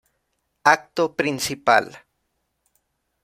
Acto principal